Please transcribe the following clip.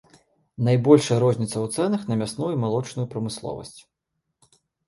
Найбольшая розніца ў цэнах на мясную і малочную прамысловасць.